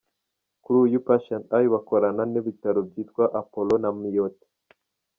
Kuri uyu Patient Eye bakorana na’ibitaro byitwa Apollo na Miot.